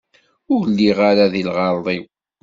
Ur lliɣ ara deg lɣerḍ-iw!